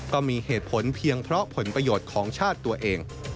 ก็มีเหตุผลเพียงเพราะผลประโยชน์ของชาติตัวเอง